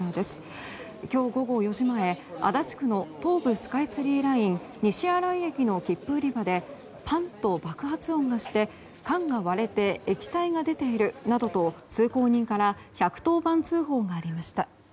今日午後４時前足立区の東武スカイツリーライン西新井駅の切符売り場でパンッと爆発音がして缶が割れて液体が出ているなどと通行人から１１０番通報がありました。